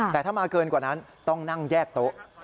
แต่ถ้ามาเกินกว่านั้นต้องนั่งแยกโต๊ะ